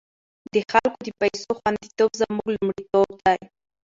د خلکو د پيسو خوندیتوب زموږ لومړیتوب دی۔